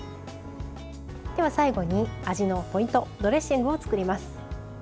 では最後に味のポイントドレッシングを作ります。